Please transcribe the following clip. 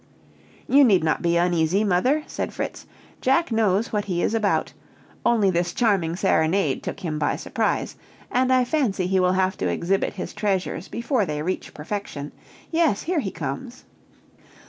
"You need not be uneasy, mother," said Fritz; "Jack knows what he is about; only this charming serenade took him by surprise, and I fancy he will have to exhibit his treasures before they reach perfection. Yes, here he comes!"